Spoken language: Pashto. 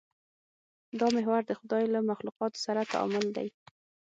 دا محور د خدای له مخلوقاتو سره تعامل دی.